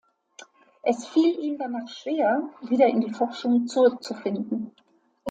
Es fiel ihm danach schwer, wieder in die Forschung zurückzufinden.